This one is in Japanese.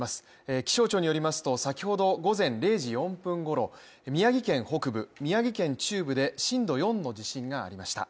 気象庁によりますと先ほど午前０時４分ごろ宮城県北部、宮城県中部で震度４の地震がありました。